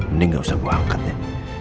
mending nggak usah gue angkat ya